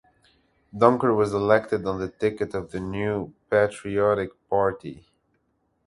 Donkor was elected on the ticket of the New Patriotic Party.